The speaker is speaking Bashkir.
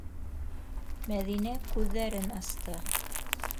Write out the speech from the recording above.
Мәҙинә күҙҙәрен асты.